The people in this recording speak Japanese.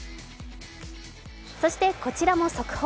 そしてこちらも速報。